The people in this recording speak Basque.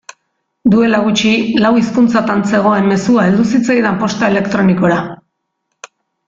Duela gutxi lau hizkuntzatan zegoen mezua heldu zitzaidan posta elektronikora.